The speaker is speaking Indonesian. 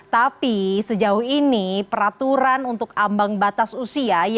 tapi sejauh ini peraturan untuk ambang batas usia